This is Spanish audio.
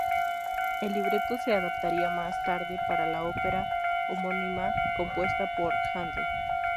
El libreto se adaptaría más tarde para la ópera homónima compuesta por Händel.